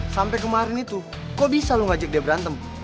sampai kemarin itu kok bisa loh ngajak dia berantem